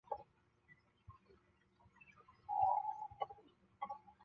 老挝王国是越南战争时交战国的秘密战区。